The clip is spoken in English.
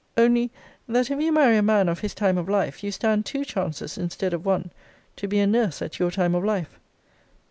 Only, that if you marry a man of his time of life, you stand two chances instead of one, to be a nurse at your time of life.